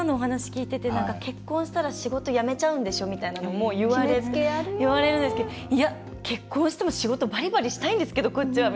結婚したら仕事辞めちゃうんでしょみたいなのも言われるんですけどいや、結婚しても仕事バリバリしたいんですけどこっちは。